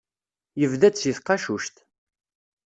Yebda-d si tqacuct.